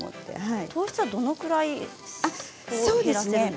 糖質はどのくらい減らせるんですか？